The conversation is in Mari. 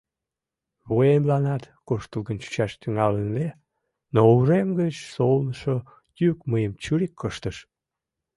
Вуемланат куштылгын чучаш тӱҥалын ыле, но урем гыч солнышо йӱк мыйым чурик ыштыш.